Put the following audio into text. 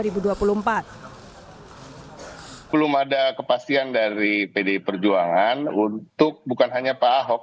belum ada kepastian dari pdi perjuangan untuk bukan hanya pak ahok